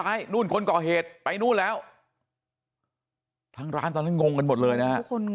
ไม่รู้ตอนไหนอะไรยังไงนะ